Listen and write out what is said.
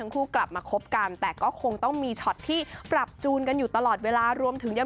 ผู้ชายเดินตามผู้หญิงก็เดินบึง